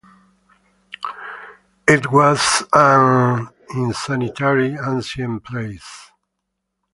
It was an insanitary, ancient place.